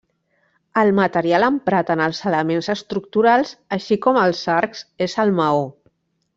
El material emprat en els elements estructurals així com els arcs és el maó.